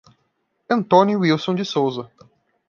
Antônio Wilson de Souza